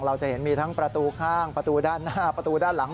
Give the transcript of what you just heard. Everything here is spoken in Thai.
เราจะเห็นมีทั้งประตูข้างประตูด้านหน้าประตูด้านหลัง